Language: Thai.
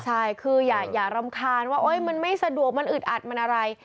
ใช่คืออย่ารำคาญว่ามันไม่สะดวกมันอึดอัดมันอะไร